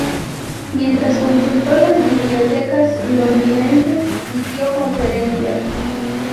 Mientras consultó las bibliotecas londinenses y dio conferencias.